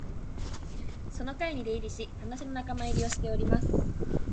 その会に出入りし、話の仲間入りをしております